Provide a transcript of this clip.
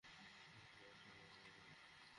বেশ কয়েকটি মুলতবি হলো।